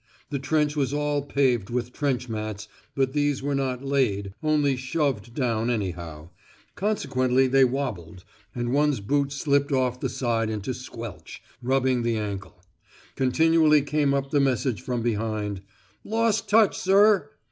The trench was all paved with trench mats, but these were not "laid," only "shoved down" anyhow; consequently they wobbled, and one's boot slipped off the side into squelch, rubbing the ankle. Continually came up the message from behind, "Lost touch, Sir!"